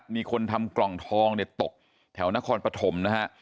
มีคนทำกล่องทองเนี่ยตกแถวนครปฐมนะฮะ